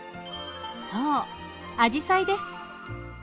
そうアジサイです。